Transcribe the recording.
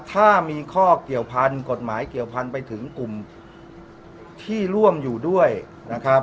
ถ้ามีข้อเกี่ยวพันธุ์กฎหมายเกี่ยวพันไปถึงกลุ่มที่ร่วมอยู่ด้วยนะครับ